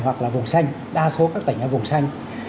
hoặc là vùng xanh đa số các tỉnh ở vùng xanh